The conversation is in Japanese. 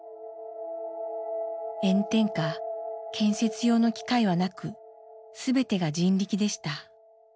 炎天下建設用の機械はなく全てが人力でした。